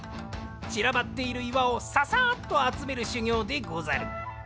ちらばっている岩をササッとあつめるしゅぎょうでござる。